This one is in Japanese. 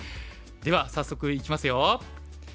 では早速いきますよ。